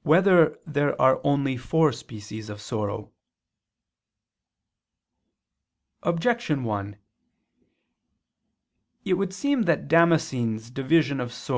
8] Whether There Are Only Four Species of Sorrow? Objection 1: It would seem that Damascene's (De Fide Orth.